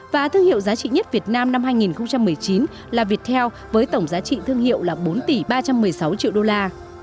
và thương hiệu giá trị nhất việt nam năm hai nghìn một mươi chín là viettel với tổng giá trị thương hiệu là bốn tỷ ba trăm một mươi sáu triệu đô la